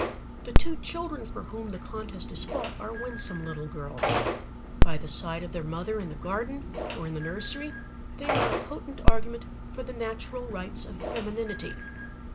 The two children for whom the contest is fought are winsome little girls. By the side of their mother in the garden or in the nursery they are a potent argument for the natural rights of femininity.